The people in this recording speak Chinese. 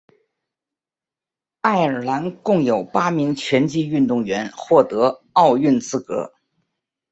爱尔兰共有八名拳击运动员获得奥运资格。